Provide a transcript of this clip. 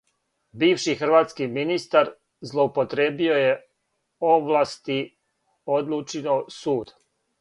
Бивши хрватски министар злоупотријебио овласти, одлучио суд